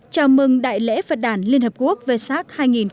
chào mừng đại lễ phật đản liên hợp quốc vê sác hai nghìn một mươi chín